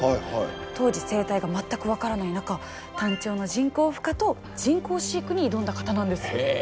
当時生態が全く分からない中タンチョウの人工ふ化と人工飼育に挑んだ方なんです。